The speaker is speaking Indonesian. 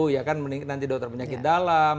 ya kan nanti dokter penyakit dalam